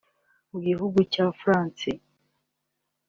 Mu gihugu cya France